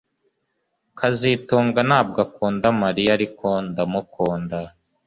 kazitunga ntabwo akunda Mariya ariko ndamukunda